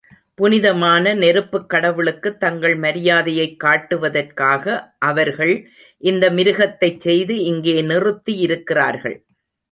புனிதமான நெருப்புக் கடவுளுக்குத் தங்கள் மரியாதையைக் காட்டுவதற்காக, அவர்கள் இந்த மிருகத்தைச் செய்து இங்கே நிறுத்தி இருக்கிறார்கள்.